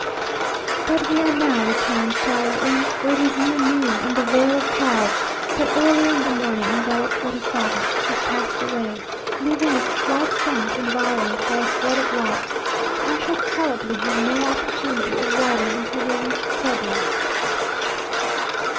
But we are now returned to our inn, for it is near noon, and the veil of clouds, that earlier in the morning enveloped Orizava, has passed away, leaving its white summit environed by a flood of light. I shall probably have no opportunity of writing until we reach Puebla.